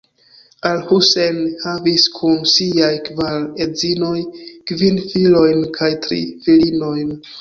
Al-Husejn havis kun siaj kvar edzinoj kvin filojn kaj tri filinojn.